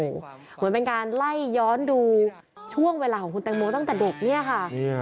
เหมือนเป็นการไล่ย้อนดูช่วงเวลาของคุณแตงโมตั้งแต่เด็กเนี่ยค่ะ